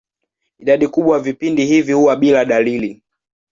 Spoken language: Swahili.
Idadi kubwa ya vipindi hivi huwa bila dalili.